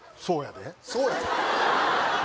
そうやで？